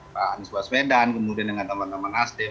pak anies baswedan kemudian dengan teman teman nasdem